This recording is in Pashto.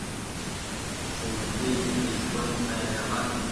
ښوونځي د ژوند پیل نامه ده